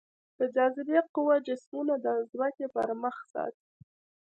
د جاذبې قوه جسمونه د ځمکې پر مخ ساتي.